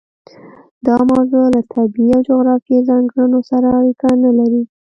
دا موضوع له طبیعي او جغرافیوي ځانګړنو سره اړیکه نه لري.